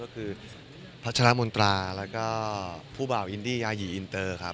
ก็คือพัชรมนตราแล้วก็ผู้บ่าวอินดี้ยาหยีอินเตอร์ครับ